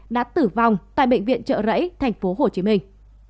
đã tử vong tại bệnh viện trợ rẫy tp hồ chí minh